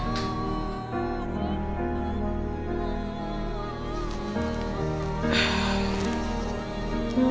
mungkin karena aku yang nunggu